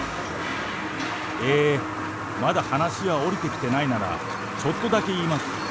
えー、まだ話が下りてきてないなら、ちょっとだけ言います。